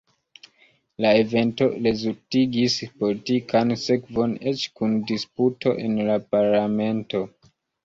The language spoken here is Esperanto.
La evento rezultigis politikan sekvon eĉ kun disputo en la Parlamento.